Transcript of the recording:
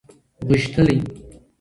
غښتلی